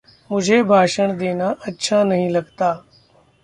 मुझे भाषण देना अच्छा नहीं लगता।